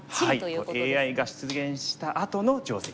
これＡＩが出現したあとの定石。